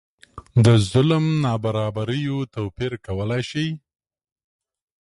د ظلم نابرابریو توپیر کولای شي.